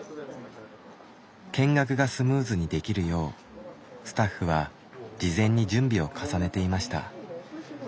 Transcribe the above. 見学がスムーズにできるようスタッフは事前に準備を重ねていました。